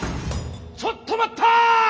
ちょっと待ったぁ！